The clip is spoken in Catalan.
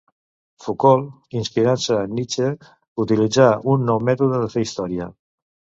Foucault, inspirant-se en Nietzsche, utilitza un nou mètode de fer història.